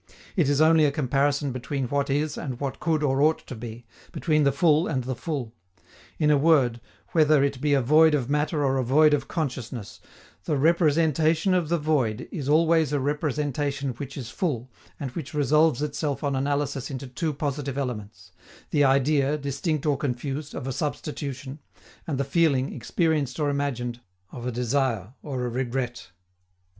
It is only a comparison between what is and what could or ought to be, between the full and the full. In a word, whether it be a void of matter or a void of consciousness, _the representation of the void is always a representation which is full and which resolves itself on analysis into two positive elements: the idea, distinct or confused, of a substitution, and the feeling, experienced or imagined, of a desire or a regret_.